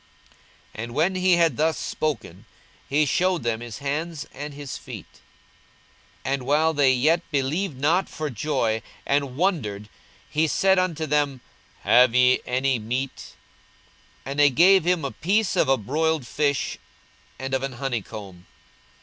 42:024:040 And when he had thus spoken, he shewed them his hands and his feet. 42:024:041 And while they yet believed not for joy, and wondered, he said unto them, Have ye here any meat? 42:024:042 And they gave him a piece of a broiled fish, and of an honeycomb.